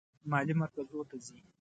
مالي مراکزو ته ځي.